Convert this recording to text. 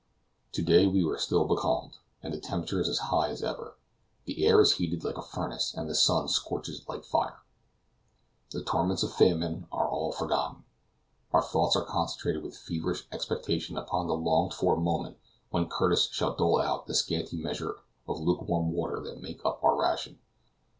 To day we are still becalmed, and the temperature is as high as ever. The air is heated like a furnace, and the sun scorches like fire. The torments of famine are all forgotten; our thoughts are concentrated with fevered expectation upon the longed for moment when Curtis shall dole out the scanty measure of lukewarm water that makes up our ration.